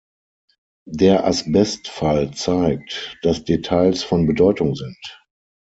Der Asbest-Fall zeigt, dass Details von Bedeutung sind.